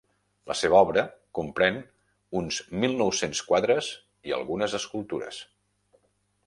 La seva obra comprèn uns mil nou-cents quadres i algunes escultures.